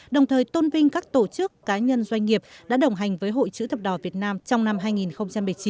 đồng thời tôn vinh các tổ chức cá nhân doanh nghiệp đã đồng hành với hội chữ thập đỏ việt nam trong năm hai nghìn một mươi chín